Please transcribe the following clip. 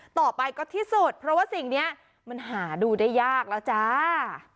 ต่อไปก็ที่สุดเพราะว่าสิ่งนี้มันหาดูได้ยากแล้วจ้า